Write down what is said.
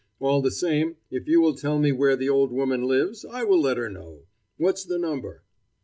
All the same, if you will tell me where the old woman lives, I will let her know. What's the number?"